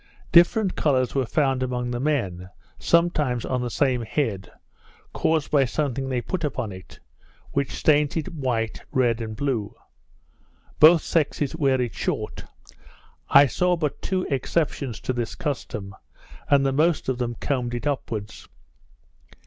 Different colours were found among the men, sometimes on the same head, caused by something they put upon it, which stains it white, red, and blue. Both sexes wear it short; I saw but two exceptions to this custom, and the most of them combed it upwards.